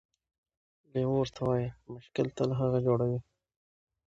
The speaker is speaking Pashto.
لیوه ورته وايي: مشکل تل هغه جوړوي،